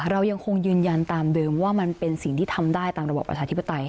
เรายังคงยืนยันตามเดิมว่ามันเป็นสิ่งที่ทำได้ตามระบบประชาธิปไตย